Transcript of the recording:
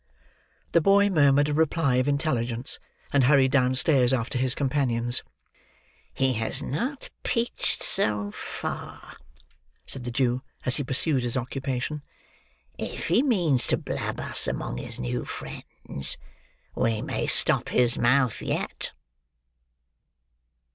The boy murmured a reply of intelligence: and hurried downstairs after his companions. "He has not peached so far," said the Jew as he pursued his occupation. "If he means to blab us among his new friends, we may stop his mouth yet."